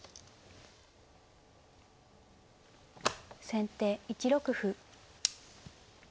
先手１六歩。